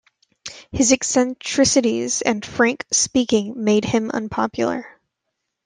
His eccentricities and frank speaking made him unpopular.